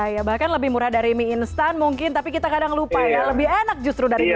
iya bahkan lebih murah dari mie instan mungkin tapi kita kadang lupa ya lebih enak justru dari mie